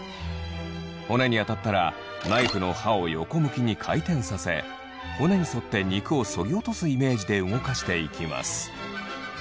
骨に当たったらナイフの刃を横向きに回転させ骨に沿って肉を削ぎ落とすイメージで動かしていきます。